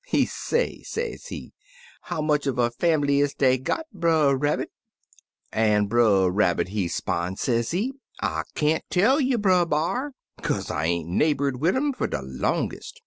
He say, sezee, 'How much uv a fambly is dey got. Brer Rabbit?' An' Brer Rabbit, he 'spon', sezee, 'I can't tell you. Brer B'ar, kaze I ain't neighbored wid um fer de longest.